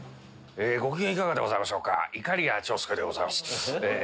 ご機嫌いかがでございましょうかいかりや長介でございます。